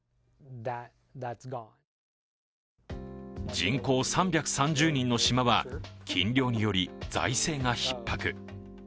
人口３３０人の島は、禁漁により財政がひっ迫。